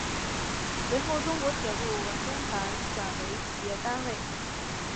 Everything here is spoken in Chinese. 随后中国铁路文工团转为企业单位。